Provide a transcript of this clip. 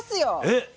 えっ⁉